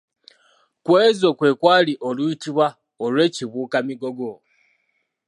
Ku ezo kwe kwali oluyitibwa olw'Ekibuuka-migogo.